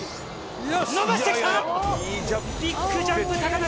伸ばしてきた。